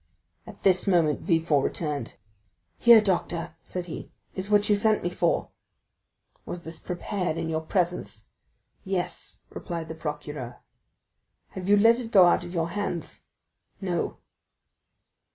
At this moment Villefort returned. "Here, doctor," said he, "is what you sent me for." "Was this prepared in your presence?" "Yes," replied the procureur. "Have you not let it go out of your hands?" "No."